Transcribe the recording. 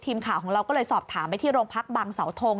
ทีมข่าวของเราก็เลยสอบถามไปที่โรงพักบางเสาทง